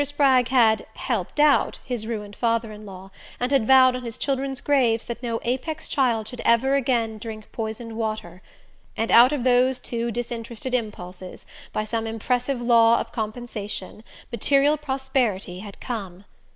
Spragg had "helped out" his ruined father in law, and had vowed on his children's graves that no Apex child should ever again drink poisoned water and out of those two disinterested impulses, by some impressive law of compensation, material prosperity had come.